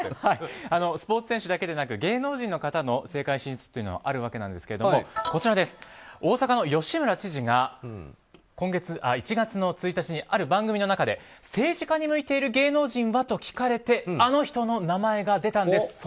スポーツ選手だけでなく芸能人の方の政界進出があるわけですが大阪の吉村知事が１月１日にある番組の中で政治家に向いている芸能人は？と聞かれてあの人の名前が出たんです。